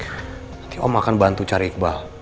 nanti om akan bantu cari iqbal